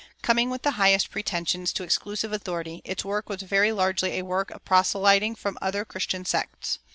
Coming with the highest pretensions to exclusive authority, its work was very largely a work of proselyting from other Christian sects.